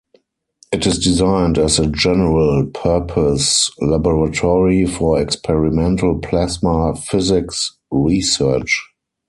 It is designed as a general-purpose laboratory for experimental plasma physics research.